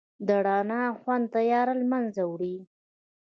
د رڼا خوند تیاره لمنځه وړي.